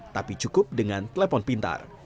tapi cukup dengan telepon pintar